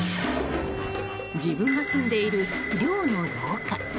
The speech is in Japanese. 自分が住んでいる寮の廊下。